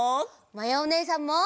まやおねえさんも！